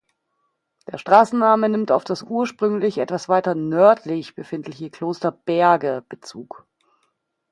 Der Straßenname nimmt auf das ursprünglich etwas weiter nördlich befindliche Kloster Berge Bezug.